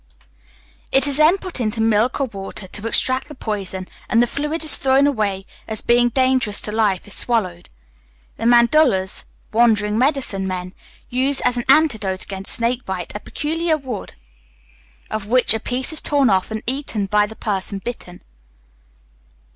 It is then put into milk or water to extract the poison, and the fluid is thrown away as being dangerous to life if swallowed. The Mandulas (wandering medicine men) use as an antidote against snake bite a peculiar wood, of which a piece is torn off, and eaten by the person bitten.